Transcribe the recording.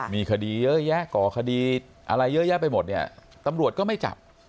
มีคดีเยอะแยะก่อคดีอะไรเยอะแยะไปหมดเนี่ยตำรวจก็ไม่จับ